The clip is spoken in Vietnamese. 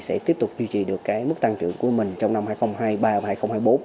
sẽ tiếp tục duy trì được cái mức tăng trưởng của mình trong năm hai nghìn hai mươi ba và hai nghìn hai mươi bốn